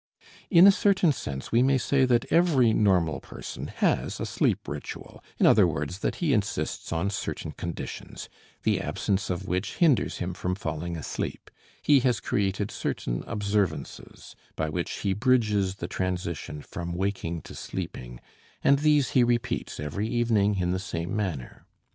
In a certain sense, we may say that every normal person has a sleep ritual, in other words that he insists on certain conditions, the absence of which hinders him from falling asleep; he has created certain observances by which he bridges the transition from waking to sleeping and these he repeats every evening in the same manner.